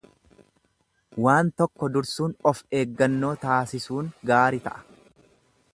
Waan tokko dursuun of eeggannoo taasisuun gaari ta'a.